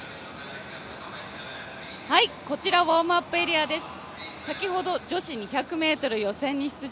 こちらウォームアップエリアです。